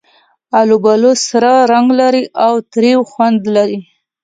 آلوبالو سره رنګ لري او تریو خوند لري.